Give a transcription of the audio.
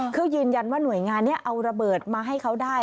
คือยืนยันว่าหน่วยงานนี้เอาระเบิดมาให้เขาได้